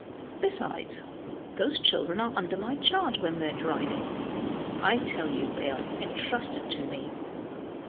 Besides, those children are under my charge when they are riding; I tell you they are intrusted to me.